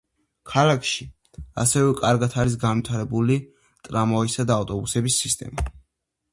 ქალაქში ასევე კარგად არის განვითარებული ტრამვაისა და ავტობუსების სისტემა.